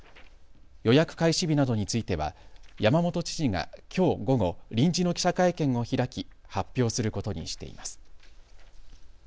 予約開始日などについては山本知事がきょう午後、臨時の記者会見を開き発表することにしています。